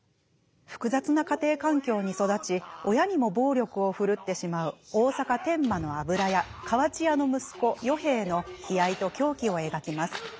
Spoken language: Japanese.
複雑な家庭環境に育ち親にも暴力を振るってしまう大坂天満の油屋河内屋の息子与兵衛の悲哀と狂気を描きます。